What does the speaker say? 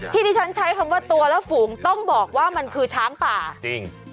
ที่ที่ฉันใช้คำว่าตัวและฝูงต้องบอกว่ามันคือช้างป่าจริง